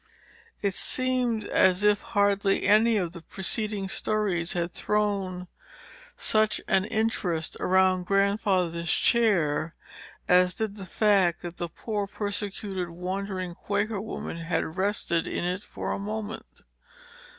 It seemed as if hardly any of the preceding stories had thrown such an interest around Grandfather's chair, as did the fact, that the poor, persecuted, wandering Quaker woman had rested in it for a moment.